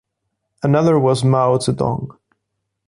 Another was Mao Zedong.